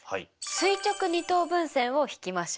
垂直二等分線を引きましょう！